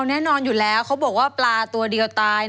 แน่นอนอยู่แล้วเขาบอกว่าปลาตัวเดียวตาย